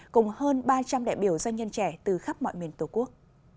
cùng hơn ba trăm linh đại biểu doanh nhân trẻ từ khắp mọi miền tổ quốc